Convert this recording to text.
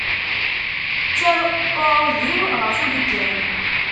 Ttaṛ uɛudiw ɣef uleggam.